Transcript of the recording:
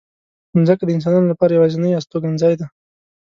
مځکه د انسانانو لپاره یوازینۍ استوګنځای دی.